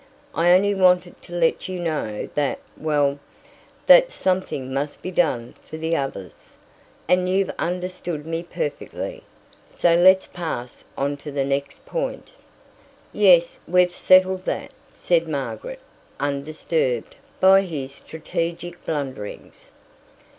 I only wanted to let you know that well, that something must be done for the others, and you've understood me perfectly, so let's pass on to the next point." "Yes, we've settled that," said Margaret, undisturbed by his strategic blunderings.